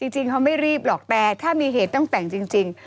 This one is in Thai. จริงเขาไม่รีบหรอกแต่ถ้ามีเหตุต้องแต่งจริง